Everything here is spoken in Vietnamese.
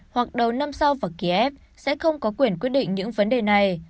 hoặc đầu năm sau và kiev sẽ không có quyền quyết định những vấn đề này